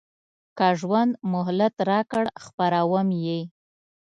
که ژوند مهلت راکړ خپروم یې.